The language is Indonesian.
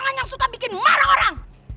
kamu ngapain marah orang